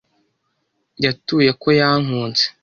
Yatuye ko yankunze.